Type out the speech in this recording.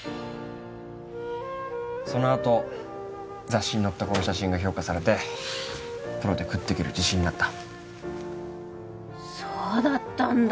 そのあと雑誌に載ったこの写真が評価されてプロで食っていける自信になったそうだったんだ